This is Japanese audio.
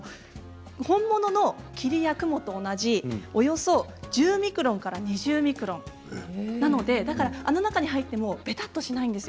本物の霧や雲と同じおよそ１０から２０ミクロンですのであの中に入ってもべたっとしないんです。